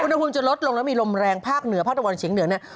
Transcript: อุณหภูมิจะลดลงแล้วมีลมแรงภาคเหนือภาคตะวันเฉียงเหนือเนี่ย